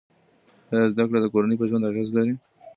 آیا زده کړه د کورنۍ په ژوند اغېزه لري؟